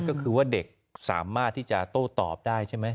ก็คือว่าเด็กสามารถที่จะโต้ตอบได้ใช่ไหม